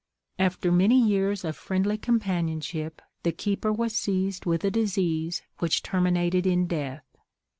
After many years of friendly companionship the keeper was seized with a disease which terminated in death.